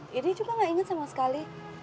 jadi juga enggak ingat sama sekali